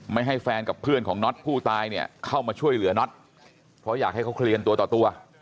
ให้แฟนกับเพื่อนของน็อตผู้ตายเนี่ยเข้ามาช่วยเหลือน็อตเพราะอยากให้เขาเคลียร์กันตัวต่อตัว